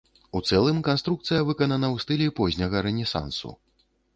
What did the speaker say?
У цэлым канструкцыя выканана ў стылі позняга рэнесансу.